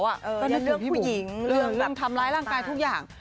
ก็นึกถึงพี่บุ๋มเรื่องทำร้ายร่างกายทุกอย่าง